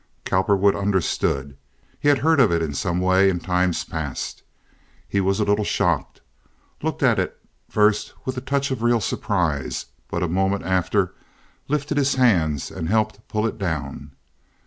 Cowperwood understood. He had heard of it in some way, in times past. He was a little shocked—looked at it first with a touch of real surprise, but a moment after lifted his hands and helped pull it down.